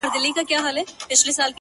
هلته پاس چي په سپوږمـۍ كــي”